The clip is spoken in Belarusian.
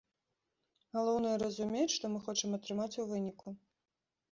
Галоўнае разумець, што мы хочам атрымаць у выніку.